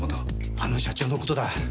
あの社長の事だ。